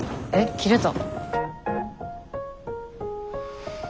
切れた。